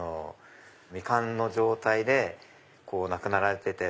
未完の状態で亡くなられてて。